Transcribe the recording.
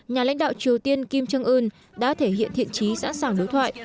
nhà lãnh đạo triều tiên kim jong un đã thể hiện thiện trí sẵn sàng đối thoại